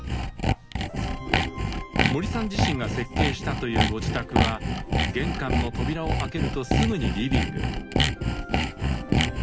森さん自身が設計したというご自宅は玄関の扉を開けるとすぐにリビング。